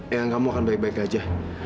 ya kamu akan baik baik aja